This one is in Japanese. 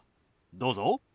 どうぞ。